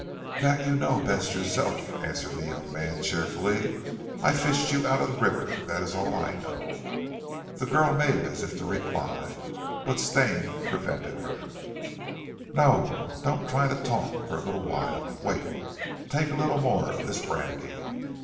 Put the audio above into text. "That you know best yourself," answered the young man, cheerfully. "I fished you out of the river, that is all I know." The girl made as if to reply; but Stane prevented her. "No, don't try to talk for a little while. Wait! Take a little more of this brandy."